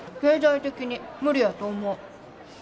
経済的に無理やと思う。